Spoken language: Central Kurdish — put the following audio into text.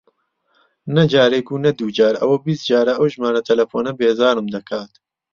نە جارێک و نە دوو جار، ئەوە بیست جارە ئەو ژمارە تەلەفۆنە بێزارم دەکات.